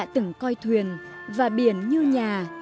đã từng coi thuyền và biển như nhà